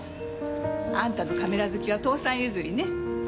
あんたのカメラ好きは父さん譲りね。